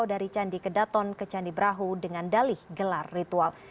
dari candi kedaton ke candi brahu dengan dalih gelar ritual